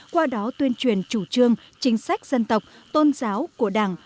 qua đó tuyên truyền chủ trương chính sách dân tộc tôn giáo của đảng